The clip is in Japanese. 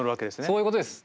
そういうことです。